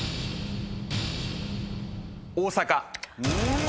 大阪。